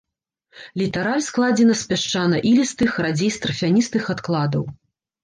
Літараль складзена з пясчана-ілістых, радзей з тарфяністых адкладаў.